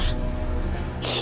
aku tau bahwa dia